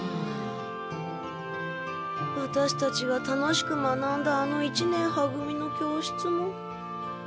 ワタシたちが楽しく学んだあの一年は組の教室も。